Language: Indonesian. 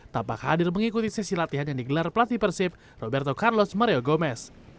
tampak hadir mengikuti sesi latihan yang digelar pelatih persib roberto carlos mario gomez